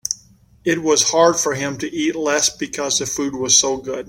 It was hard for him to eat less because the food was so good.